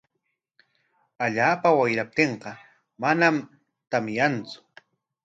Allaapa wayraptinqa manam tamyantsu.